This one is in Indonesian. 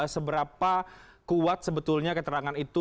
seberapa kuat sebetulnya keterangan itu